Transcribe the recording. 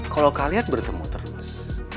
kalau kalian bertemu terus